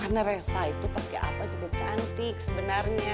karena reva itu pake apa juga cantik sebenarnya